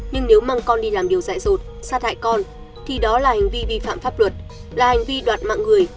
nhưng nếu mang con đi làm điều dại rột sát hại con